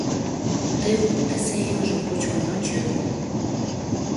Тый вот тысе эҥыжым кочкын ончо.